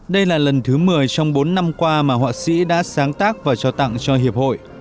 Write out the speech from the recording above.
đây là lần thứ một mươi trong bốn năm qua mà họa sĩ đã sáng tác và trao tặng cho hiệp hội